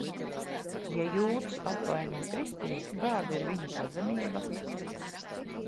Ja jūds apvaino kristieti, kāda ir viņa pazemība?